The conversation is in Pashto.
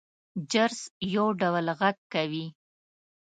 جرس يو ډول غږ کوي.